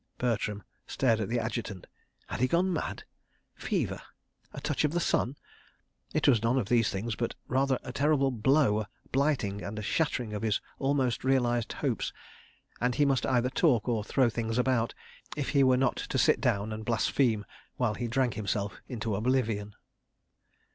.." Bertram stared at the Adjutant. Had he gone mad? Fever? A touch of the sun? It was none of these things, but a rather terrible blow, a blighting and a shattering of his almost realised hopes—and he must either talk or throw things about, if he were not to sit down and blaspheme while he drank himself into oblivion.